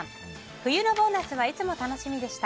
冬のボーナスはいつも楽しみでした。